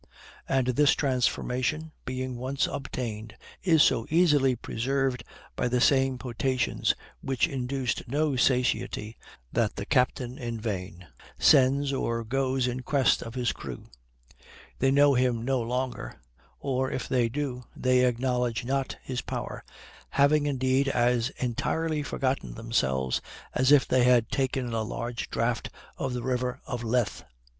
And this transformation, being once obtained, is so easily preserved by the same potations, which induced no satiety, that the captain in vain sends or goes in quest of his crew. They know him no longer; or, if they do, they acknowledge not his power, having indeed as entirely forgotten themselves as if they had taken a large draught of the river of Lethe.